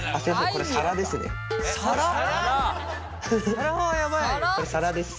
これ皿です。